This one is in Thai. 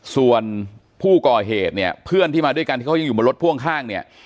ส่วนผู้ก่อเหตุเนี่ยเพื่อนที่มาด้วยกันที่เขายังอยู่บนรถพ่วงข้างเนี่ย